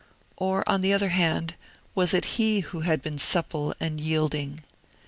Or, on the other hand, was it he who had been supple and yielding?